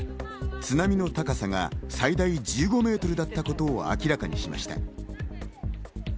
津波の高さが最大１５メートルだったことを明らかにしました。